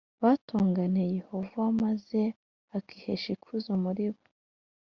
batonganyije Yehova maze akihesha ikuzo muri bo